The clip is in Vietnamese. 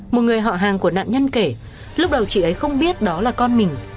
một người họ hàng của nạn nhân kể lúc đầu chị ấy không biết đó là con mình